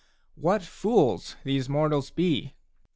What fools these mortals be!